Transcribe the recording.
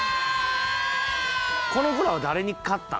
「この子らは誰に勝ったん？」